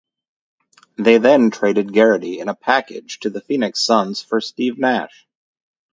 They then traded Garrity in a package to the Phoenix Suns for Steve Nash.